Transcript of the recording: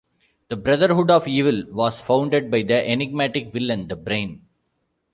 The Brotherhood of Evil was founded by the enigmatic villain the Brain.